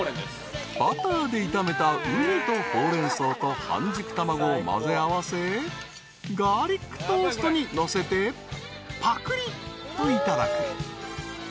［バターで炒めたウニとホウレンソウと半熟卵を混ぜ合わせガーリックトーストにのせてぱくりといただく］